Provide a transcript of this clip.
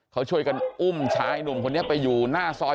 เขาช่วยกันอุ้มชายหนุ่มคนนี้ไปอยู่หน้าซอย